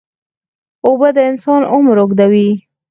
اوبه د انسان عمر اوږدوي.